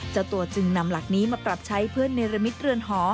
เจ้าตัวจึงนำหลักนี้มาปรับใช้เพื่อนในระมิตเรือนหอ